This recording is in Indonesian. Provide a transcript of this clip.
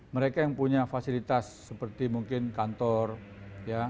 mereka yang punya fasilitas seperti mungkin kantor ya